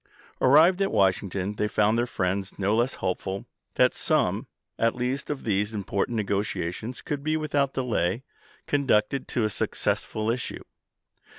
Arrived at Washington they found their friends no less hopeful that some at least of these impor tant negotiations could be without delay conducted to a successful issue.